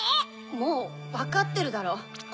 もうわかってるだろ。